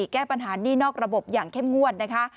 แก้ปัญหานี่นอกระบบอย่างเข้มงวดนะคะ